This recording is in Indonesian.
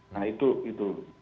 nah itu itu